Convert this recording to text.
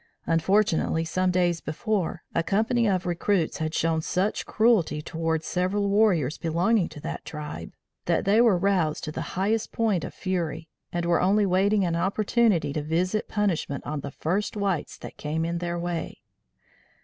Unfortunately some days before, a company of recruits had shown such cruelty toward several warriors belonging to that tribe, that they were roused to the highest point of fury, and were only waiting an opportunity to visit punishment on the first whites that came in their way.